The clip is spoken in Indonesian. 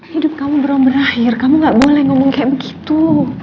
hidup kamu belum berakhir kamu gak boleh ngomong kayak begitu